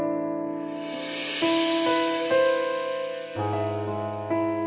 aku lagi perlu selesai wielu hal hal